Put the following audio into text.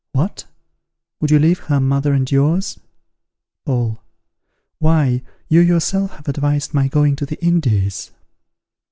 _ What! would you leave her mother and yours? Paul. Why, you yourself have advised my going to the Indies.